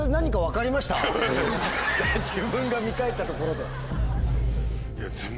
自分が見返ったところで。